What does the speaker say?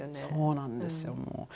そうなんですよもう。